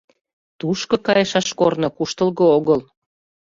— Тушко кайышаш корно куштылго огыл.